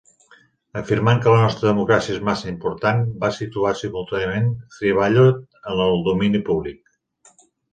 Afirmant que "la nostra democràcia és massa important", va situar simultàniament ThreeBallot en el domini públic.